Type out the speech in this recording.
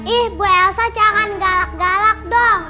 ih bu elsa jangan galak galak dong